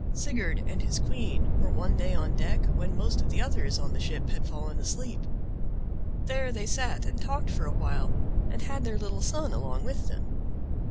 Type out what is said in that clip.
Sigurd and his queen were one day on deck when most of the others on the ship had fallen asleep. There they sat and talked for a while, and had their little son along with them.